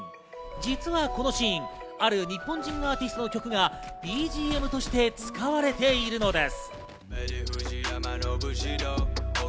実はこのシーン、ある日本人アーティストの曲がＢＧＭとして使われているのです。